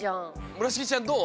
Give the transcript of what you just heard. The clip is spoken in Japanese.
村重ちゃんどう？